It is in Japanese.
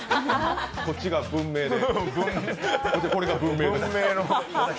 こっちが文明で。